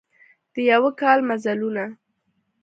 د یوه کال مزلونه